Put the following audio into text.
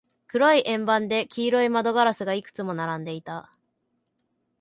黒い円盤で、黄色い窓ガラスがいくつも並んでいた。